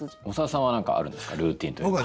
小沢さんは何かあるんですか？